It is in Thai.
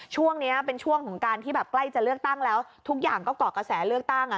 ช่วงนี้เป็นช่วงของการที่แบบใกล้จะเลือกตั้งแล้วทุกอย่างก็เกาะกระแสเลือกตั้ง